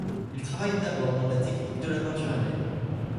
Il travaille d'abord dans la technique de la peinture à l'huile.